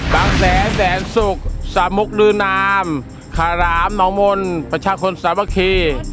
บางแสนแสนสุขสมุกลื้อนามขรามมองมลประชาชนสามัคคี